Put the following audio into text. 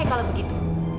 oke kalau begitu